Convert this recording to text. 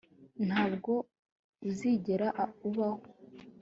Ntabwo uzigera ubaho